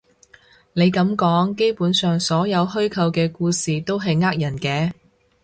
你噉講，基本上所有虛構嘅故事都係呃人嘅